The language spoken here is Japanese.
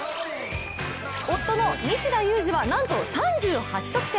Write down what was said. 夫の西田有志は、なんと３８得点。